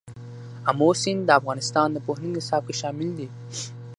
آمو سیند د افغانستان د پوهنې نصاب کې شامل دي.